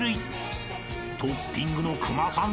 ［トッピングのくまさん